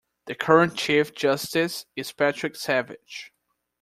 The current chief justice is Patrick Savage.